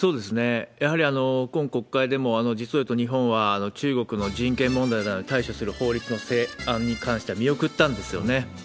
やはり今国会でも、実をいうと、日本は中国の人権問題に対処する法律の成案に関しては見送ったんですよね。